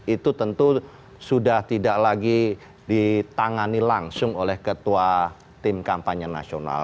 itu tentu sudah tidak lagi ditangani langsung oleh ketua tim kampanye nasional